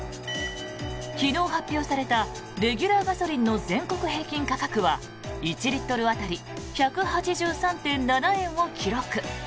昨日発表されたレギュラーガソリンの全国平均価格は１リットル当たり１８３．７円を記録。